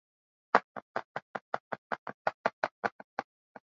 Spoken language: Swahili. wazi na kwa nguvu huweka aina fulani ya wajibu wa maadili kwa